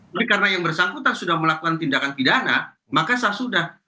tapi karena yang bersangkutan sudah melakukan tindakan pidana maka sah sudah